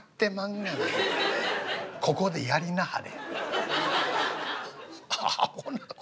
もうここでやんなはれ』。